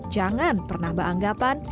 jangan pernah beanggapan